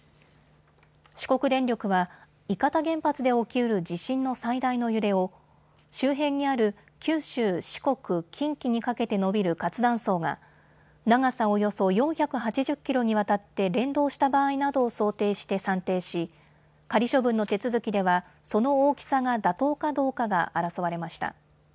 四国電力は伊方原発で起きうる地震の最大の揺れを周辺にある九州、四国、近畿にかけて延びる活断層が長さおよそ４８０キロにわたって連動した場合などを想定して算定し仮処分の手続きではその大きさが妥当かどうかが争われました。